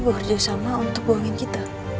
bekerja sama untuk buangin kita